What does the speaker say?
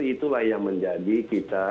itulah yang menjadi kita